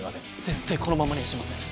絶対このままにはしません